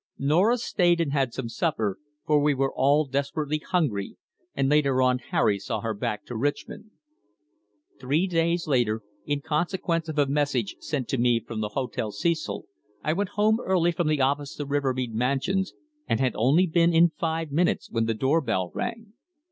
Norah stayed and had some supper, for we were all desperately hungry, and later on Harry saw her back to Richmond. Three days later, in consequence of a message sent to me from the Hotel Cecil, I went home early from the office to Rivermead Mansions, and had only been in five minutes when the door bell rang.